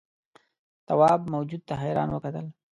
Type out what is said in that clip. تواب موجود ته حیران وکتل.